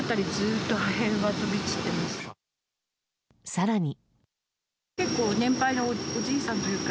更に。